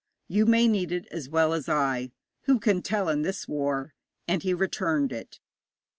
'You may need it as well as I. Who can tell in this war?' And he returned it.